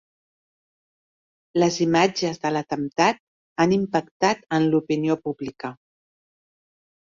Les imatges de l'atemptat han impactat en l'opinió pública.